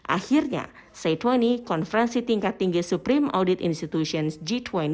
akhirnya c dua puluh konferensi tingkat tinggi supreme audit institution g dua puluh